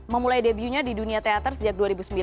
memulai debunya di dunia teater sejak dua ribu sembilan